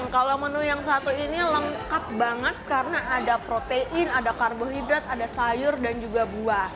kalau menu yang satu ini lengkap banget karena ada protein ada karbohidrat ada sayur dan juga buah